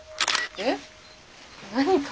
えっ。